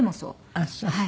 ああそう。